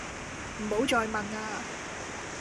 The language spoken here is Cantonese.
唔好再問呀